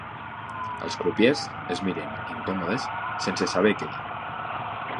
Els crupiers es miren, incòmodes, sense saber què dir.